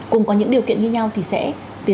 cùng có những điều kiện như nhau thì sẽ